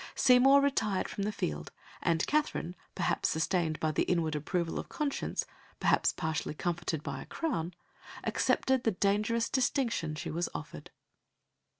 Seymour retired from the field, and Katherine, perhaps sustained by the inward approval of conscience, perhaps partially comforted by a crown, accepted the dangerous distinction she was offered.